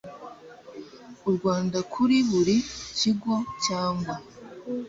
u rwanda kuri buri kigo cyangwa